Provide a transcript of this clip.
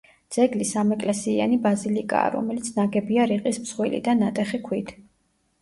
ძეგლი სამეკლესიიანი ბაზილიკაა, რომელიც ნაგებია რიყის მსხვილი და ნატეხი ქვით.